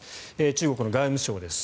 中国の外務省です。